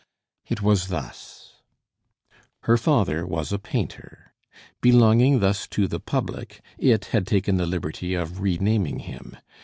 It was thus Her father was a painter. Belonging thus to the public, it had taken the liberty of re naming him.